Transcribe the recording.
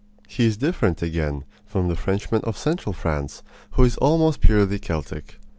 He is different, again, from the Frenchman of central France, who is almost purely Celtic.